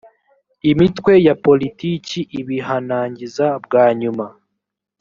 imitwe ya politiki ibihanangiza bwa nyuma